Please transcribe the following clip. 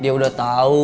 dia udah tau